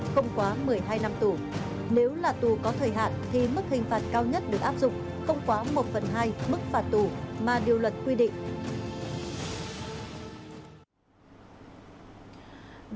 không quá một mươi hai năm tù nếu là tù có thời hạn thì mức hình phạt cao nhất được áp dụng không quá một phần hai mức phạt tù mà điều luật quy định